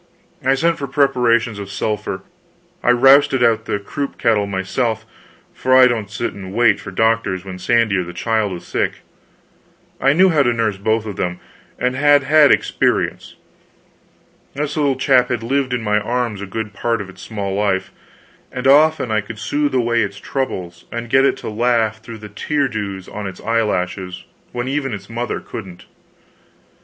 I sent for preparations of sulphur, I rousted out the croup kettle myself; for I don't sit down and wait for doctors when Sandy or the child is sick. I knew how to nurse both of them, and had had experience. This little chap had lived in my arms a good part of its small life, and often I could soothe away its troubles and get it to laugh through the tear dews on its eye lashes when even its mother couldn't.